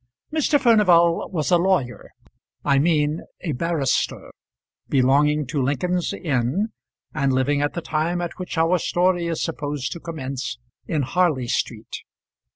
Mr. Furnival was a lawyer I mean a barrister belonging to Lincoln's Inn, and living at the time at which our story is supposed to commence in Harley Street.